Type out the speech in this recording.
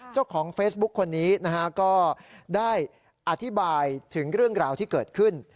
เจ้าของเฟซบุ๊คคนนี้นะฮะก็ได้อธิบายถึงเรื่องราวที่เกิดขึ้น